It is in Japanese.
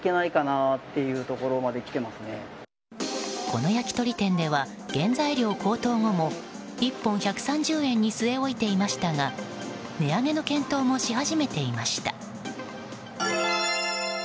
この焼き鳥店では原材料高騰後も１本１３０円に据え置いていましたが値上げの検討もし始めていました。